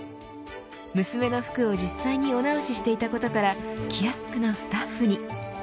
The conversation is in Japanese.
娘の服を実際にお直ししていたことからキヤスクのスタッフに。